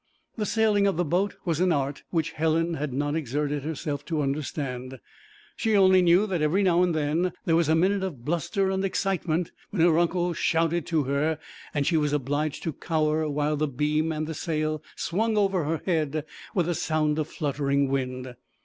The sailing of the boat was an art which Helen had not exerted herself to understand; she only knew that every now and then there was a minute of bluster and excitement when her uncle shouted to her, and she was obliged to cower while the beam and the sail swung over her head with a sound of fluttering wind.